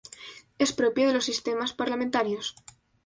Es propio de los sistemas parlamentarios.